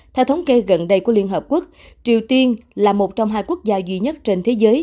theo thống kê gần đây của liên hợp quốc triều tiên là một trong hai quốc gia duy nhất trên thế giới